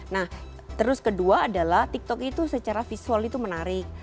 nah terus kedua adalah tiktok itu secara visual itu menarik